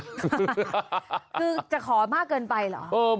คือจะขอมากเกินไปเหรอ